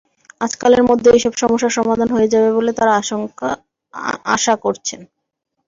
আজকালের মধ্যে এসব সমস্যা সমাধান হয়ে যাবে বলে তাঁরা আশা করছেন।